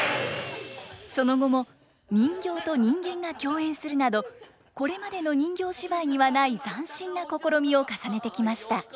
その後も人形と人間が共演するなどこれまでの人形芝居にはない斬新な試みを重ねてきました。